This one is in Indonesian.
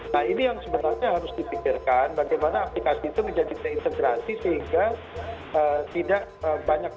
nah ini yang sebenarnya harus dipikirkan bagaimana aplikasi itu menjadi terintegrasi sehingga tidak banyak